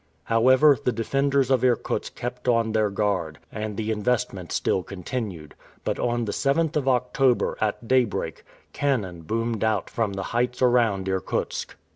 However, the defenders of Irkutsk kept on their guard, and the investment still continued; but on the 7th of October, at daybreak, cannon boomed out from the heights around Irkutsk.